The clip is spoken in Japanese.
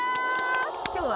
今日は。